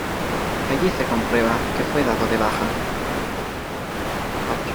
Allí se comprueba que fue dado de baja.